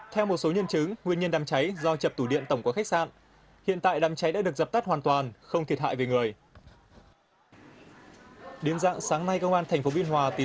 theo một số nhân chứng nguyên nhân đám cháy do chập tủ điện tổng quá khách sạn hiện tại đám cháy đã được dập tắt hoàn toàn không thiệt hại về người